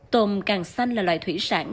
tôm càng xanh là loài thủy sản